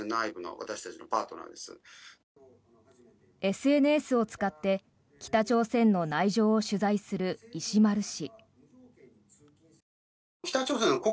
ＳＮＳを使って北朝鮮の内情を取材する石丸氏。